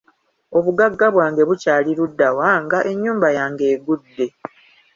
Obuggaga bwange bukyali luddawa nga ennyumba yange eggudde?